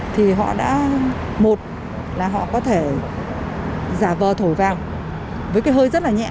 thì họ đã một là họ có thể giả vờ thổi vàng với cái hơi rất là nhẹ